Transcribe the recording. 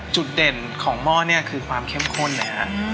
จุดเด่นของม้อนึงคือความเข้มข้นเลยค่ะ